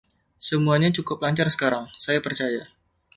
Semuanya cukup lancar sekarang, saya percaya?